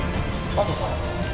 安藤さん？